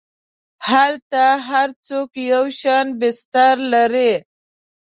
هلته هر څوک یو شان بستر لري.